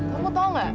kamu tau nggak